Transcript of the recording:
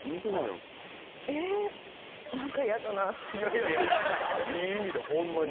いやいやいい意味でホンマに。